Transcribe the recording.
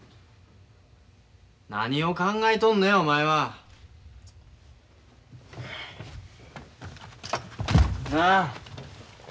何を考えとんのやお前は。なあ。